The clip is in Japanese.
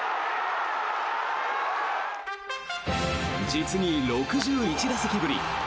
実に６１打席ぶり。